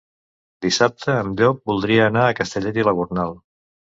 Dissabte en Llop voldria anar a Castellet i la Gornal.